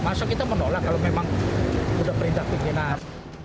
masa kita menolak kalau memang sudah perintah pimpinan